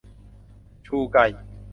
ชูไก